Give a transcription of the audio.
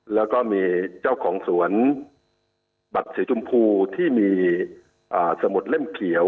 แล้วก็มีเจ้าของสวนบัตรสีชมพูที่มีสมุดเล่มเขียว